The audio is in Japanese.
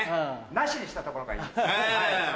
「なし」にしたところがいいですね。